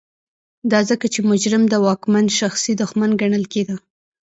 دا ځکه چې مجرم د واکمن شخصي دښمن ګڼل کېده.